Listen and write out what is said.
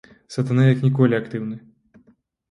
Сатана як ніколі актыўны.